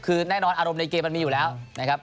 คือแน่นอนอารมณ์ในเกมมันมีอยู่แล้วนะครับ